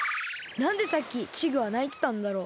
なんでさっきチグはないてたんだろう。